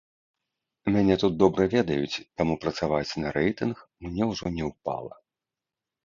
Мяне тут добра ведаюць, таму працаваць на рэйтынг мне ўжо не ўпала.